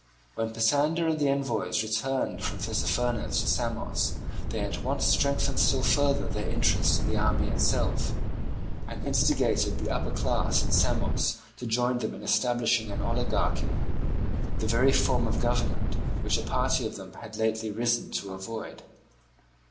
When Pisander and the envoys returned from Tissaphernes to Samos they at once strengthened still further their interest in the army itself, and instigated the upper class in Samos to join them in establishing an oligarchy, the very form of government which a party of them had lately risen to avoid.